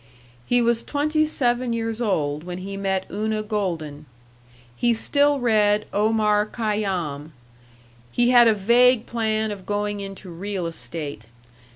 He was twenty seven years old when he met Una Golden. He still read Omar Khayyam. He had a vague plan of going into real estate.